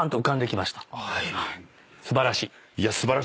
素晴らしい。